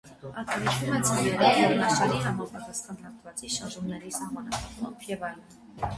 Արտահայտվում է ցավերով, ողնաշարի համապատասխան հատվածի շարժումների սահմանափակմամբ և այլն։